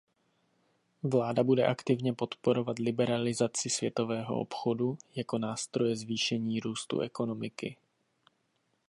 Vláda bude aktivně podporovat liberalizaci světového obchodu jako nástroje zvýšení růstu ekonomiky.